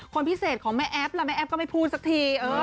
คนพิเศษของแม่แอ๊บล่ะแม่แอ๊บก็ไม่พูดสักที